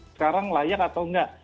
sekarang layak atau enggak